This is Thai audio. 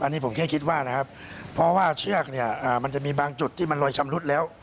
อันนี้ผมแค่คิดว่านะครับเพราะว่าเชือกเนี่ยมันจะมีบางจุดที่มันลอยชำรุดแล้ว